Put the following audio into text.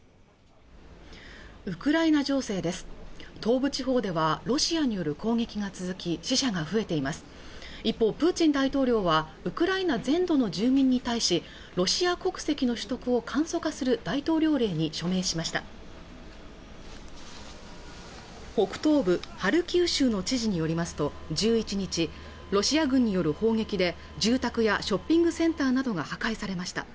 ウクライナ情勢です東部地方ではロシアによる攻撃が続き死者が増えています一方プーチン大統領はウクライナ全土の住民に対しロシア国籍の取得を簡素化する大統領令に署名しました北東部ハルキウ州の知事によりますと１１日ロシア軍による砲撃で住宅やショッピングセンターなどが破壊されました